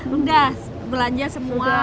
mudas belanja semua